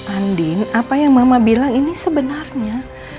andin apa yang mama bilang ini sebenarnya